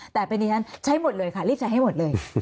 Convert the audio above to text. แต่เป็นดิฉันใช้หมดเลยค่ะรีบใช้ให้หมดเลย